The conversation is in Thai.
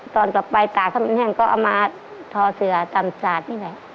ตอนกลับไปตากข้าวมันแห้งก็เอามาทอเสือต่ำสาดนี่แหละ